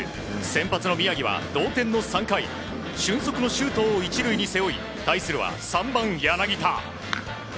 先発の宮城は同点の３回俊足の周東を１塁に背負い対するは３番、柳田。